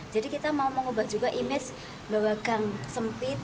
jadi kita mau mengubah juga imej bahwa gang sempit